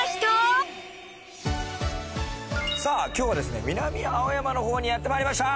さぁ今日は南青山のほうにやってまいりました！